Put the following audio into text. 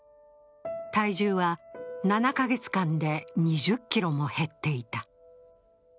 体重は７カ月間で２０ｋｇも減っていた。